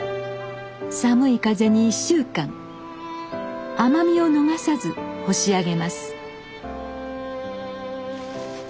寒い風に１週間甘みを逃さず干し上げます。